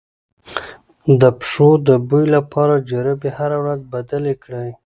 د پښو د بوی لپاره جرابې هره ورځ بدلې کړئ